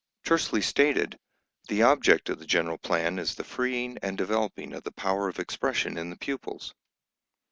Tersely stated, the object of the general plan is the freeing and developing of the power of expression in the pupils.